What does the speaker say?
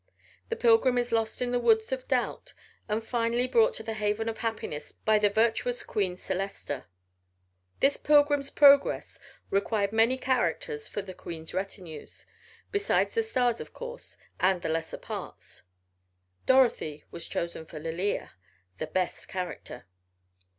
The pilgrim is lost in the woods of doubt, and finally brought to the haven of happiness by the Virtuous Queen Celesta. This Pilgrim's Progress required many characters for the queen's retinues, besides the stars, of course, and the lesser parts. Dorothy was chosen for Lalia the best character.